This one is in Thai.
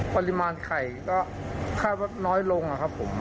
ปริมาณไข่ก็คาดว่าน้อยลงครับผม